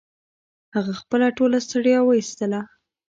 هغه خپله ټوله ستړيا و ایستله